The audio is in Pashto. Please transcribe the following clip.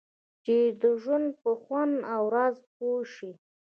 چې د ژوند په خوند او راز پوه شئ.